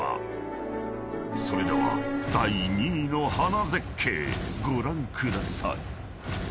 ［それでは第２位の花絶景ご覧ください］